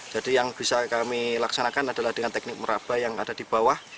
jadi yang bisa kami laksanakan adalah dengan teknik merabai yang ada di bawah